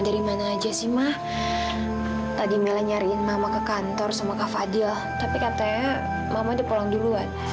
dari mana aja sih mah tadi mila nyariin mama ke kantor sama kak fadil tapi katanya mama udah pulang duluan